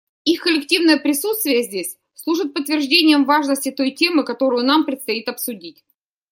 Их коллективное присутствие здесь служит подтверждением важности той темы, которую нам предстоит обсудить.